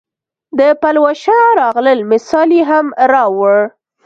د پلوشه راغلل مثال یې هم راووړ.